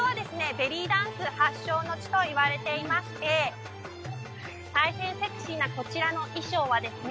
ベリーダンス発祥の地といわれていまして大変セクシーなこちらの衣装はですね